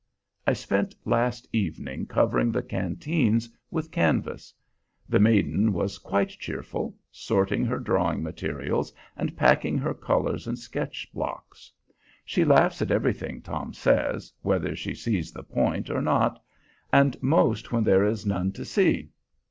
I spent last evening covering the canteens with canvas. The maiden was quite cheerful, sorting her drawing materials and packing her colors and sketch blocks. She laughs at everything Tom says, whether she sees the point or not, and most when there is none to see.